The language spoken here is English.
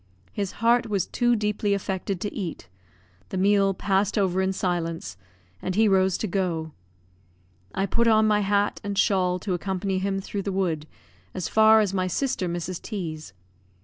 His heart was too deeply affected to eat; the meal passed over in silence, and he rose to go. I put on my hat and shawl to accompany him through the wood as far as my sister Mrs. T 's.